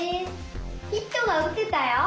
ヒットがうてたよ。